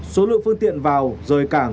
số lượng phương tiện vào rời cảng